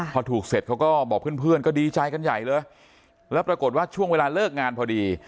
พอถูกเสร็จเขาก็บอกเพื่อนก็ดีใจกันใหญ่เลยแล้วปรากฏว่าช่วงเวลาเลิกงานพอดี